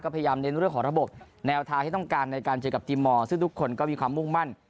พยายามเน้นเรื่องของระบบแนวทางที่ต้องการในการเจอกับทีมมอร์ซึ่งทุกคนก็มีความมุ่งมั่น